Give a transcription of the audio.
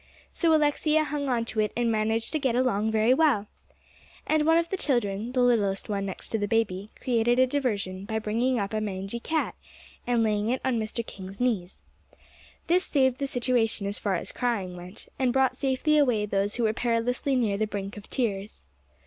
So Alexia hung on to it, and managed to get along very well. And one of the children, the littlest one next to the baby, created a diversion by bringing up a mangy cat, and laying it on Mr. King's knees. This saved the situation as far as crying went, and brought safely away those who were perilously near the brink of tears.